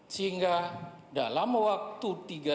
sehingga dalam waktu tiga jam